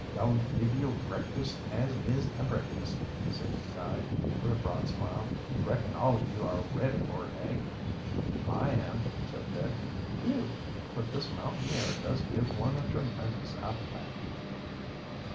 "Goin' to give you a breakfast as is a breakfast," said the guide; with a broad smile. "Reckon all of you are ready for it, eh?" "I am," said Dick. "Phew! but this mountain air does give one a tremendous appetite!"